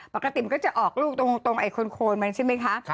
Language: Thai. ปกติมันก็จะออกลูกตรงไอ้โคนมันใช่ไหมคะ